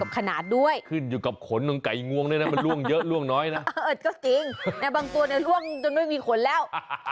ขนาดด้วยขึ้นอยู่กับขนของไก่งวงด้วยนะมันล่วงเยอะล่วงน้อยนะก็จริงแต่บางตัวเนี่ยล่วงจนไม่มีขนแล้ว